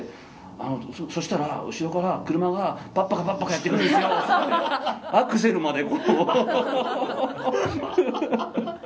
そしたら後ろから車がパッパカやってくるんですよってアクセルまで。